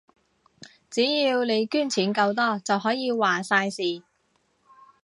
只要你捐錢夠多，就可以話晒事